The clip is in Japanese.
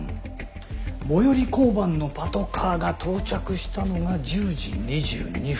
最寄り交番のパトカーが到着したのが１０時２２分。